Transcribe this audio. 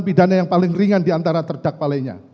pidana yang paling ringan diantara terdakwalanya